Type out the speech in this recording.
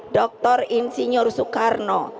doktor insinyur soekarno